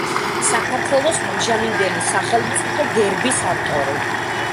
საქართველოს ამჟამინდელი სახელმწიფო გერბის ავტორი.